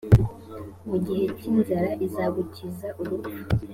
mu gihe cy’inzara izagukiza urupfu.